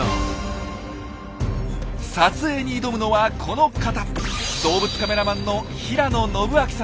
撮影に挑むのはこの方。